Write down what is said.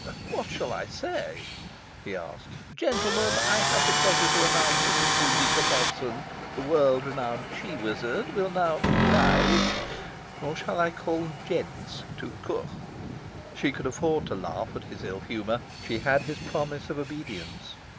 "What shall I say?" he asked. "'Gentlemen, I have the pleasure to announce that Miss Zuleika Dobson, the world renowned She Wizard, will now oblige'? Or shall I call them 'Gents,' tout court?" She could afford to laugh at his ill humour. She had his promise of obedience.